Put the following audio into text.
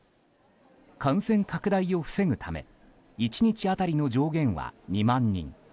感染拡大を防ぐため１日当たりの上限は２万人。